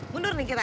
mundur nih kita